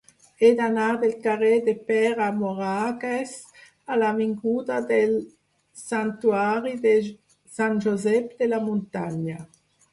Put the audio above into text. He d'anar del carrer de Pere Moragues a l'avinguda del Santuari de Sant Josep de la Muntanya.